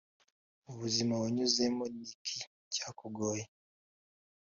mu buzima wanyuzemo ni iki cyakugoye,